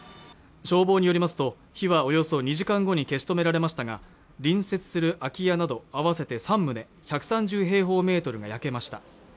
消防によりますと火はおよそ２時間後に消し止められましたが隣接する空き家など合わせて三棟１３０平方メートルが焼けました